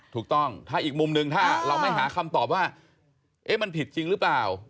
ถูกต้องถ้าอีกมุมหนึ่งถ้าเราไม่หาคำตอบว่ามันผิดจริงหรือเปล่า